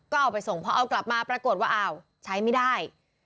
ก็เอาไปส่งพอเอากลับมาปรากฏว่าอ้าวใช้ไม่ได้